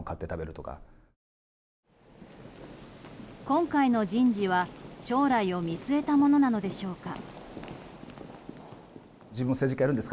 今回の人事は将来を見据えたものなのでしょうか。